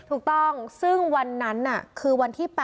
ถูกต้องซึ่งวันนั้นคือวันที่๘